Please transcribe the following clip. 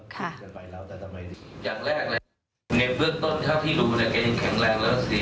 อย่างแรกเลยในเบื้องต้นเท่าที่รู้เนี่ยแข็งแรงแล้วสิ